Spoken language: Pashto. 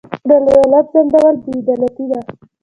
د عدالت ځنډول بې عدالتي ده.